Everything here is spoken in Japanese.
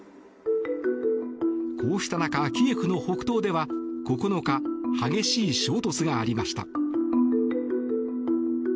こうした中キエフの北東では９日激しい衝突がありました。